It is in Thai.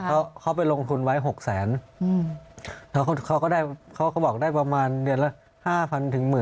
ใช่ครับเขาไปลงทุนไว้๖แสนเขาก็บอกได้ประมาณเดือนละ๕๐๐๐ถึง๑๐๐๐๐